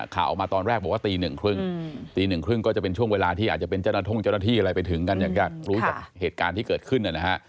ข่าวออกมาตอนแรกบอกว่าตี๑๓๐ตี๑๓๐ก็จะเป็นช่วงเวลาที่อาจจะเป็นเจ้าหน้าท่งเจ้าหน้าที่อะไรไปถึงกันอยากรู้จักเหตุการณ์ที่เกิดขึ้นนะฮะ